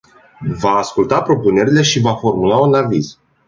Va asculta propunerile și va formula un aviz.